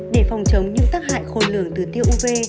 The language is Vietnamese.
để phòng chống những tác hại khôn lường từ tiêu uv